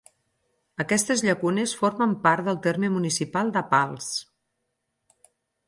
Aquestes llacunes formen part del terme municipal de Pals.